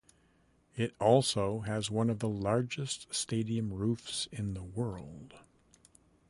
It also has one of the largest stadium roofs in the world.